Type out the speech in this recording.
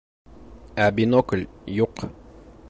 Ә бинокль юҡ.